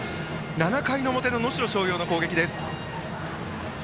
７回の表、能代松陽の攻撃です。